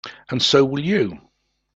And so will you.